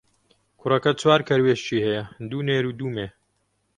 کوڕەکە چوار کەروێشکی هەیە، دوو نێر و دوو مێ.